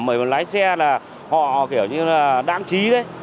bởi lái xe là họ kiểu như là đáng trí đấy